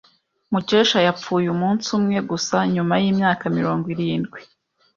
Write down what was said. Mukesha yapfuye umunsi umwe gusa nyuma yimyaka mirongo irindwi.